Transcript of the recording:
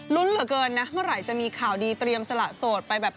เหลือเกินนะเมื่อไหร่จะมีข่าวดีเตรียมสละโสดไปแบบ